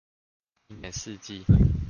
一年四季